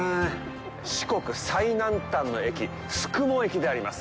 四国最南端の駅、宿毛駅であります。